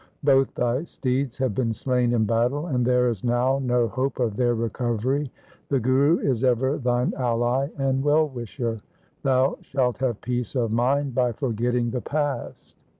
Both thy steeds have been slain in battle, and there is now no hope of their recovery. The Guru is ever thine ally and well wisher. Thou shalt have peace of mind by forgetting the past.'